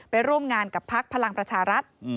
ร่วมงานกับพักพลังประชารัฐ